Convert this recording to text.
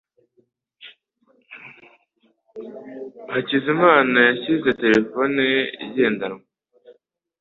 hakizamana yashyize terefone ye igendanwa.